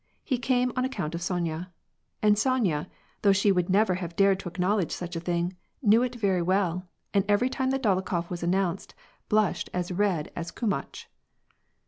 He came on account of Sonya. And Sonya, though she would never have dared to acknowledge such a thing, knew it very well, and every time that Dolokhof was announced, blushed as red as kumatch.